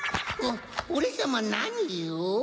オレさまなにを？